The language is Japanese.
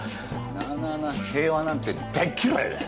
なあなあな平和なんて大嫌いだよ。